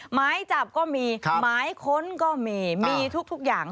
หมายจับก็มีหมายค้นก็มีมีทุกอย่าง